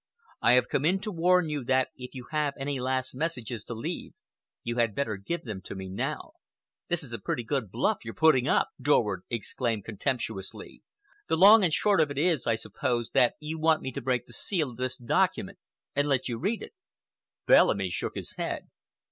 I have come in to warn you that if you have any last messages to leave, you had better give them to me now." "This is a pretty good bluff you're putting up!" Dorward exclaimed contemptuously. "The long and short of it is, I suppose, that you want me to break the seal of this document and let you read it." Bellamy shook his head.